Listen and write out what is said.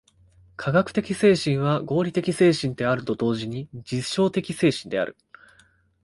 科学的精神は合理的精神であると同時に実証的精神である。